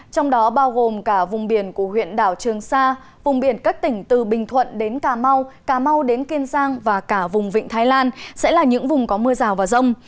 trong đó bao gồm cả vùng biển của huyện đảo trường sa vùng biển các tỉnh từ bình thuận đến kiên giang và cả vùng vịnh thái lan sẽ là những vùng có mưa rào và rông